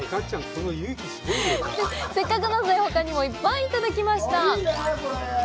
せっかくなのでほかにもいっぱいいただきました。